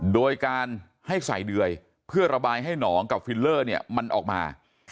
โดยการให้ใส่เดื่อยเพื่อระบายให้หนองกับฟิลเลอร์เนี่ยมันออกมา